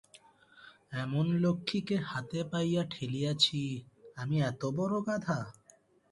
এমন লক্ষ্মীকে হাতে পাইয়া ঠেলিয়াছি, আমি এতো বড়ো গাধা।